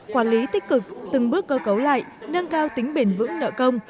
quản lý tích cực từng bước cơ cấu lại nâng cao tính bền vững nợ công